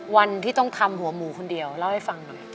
วันที่ต้องทำหัวหมูคนเดียวเล่าให้ฟังหน่อย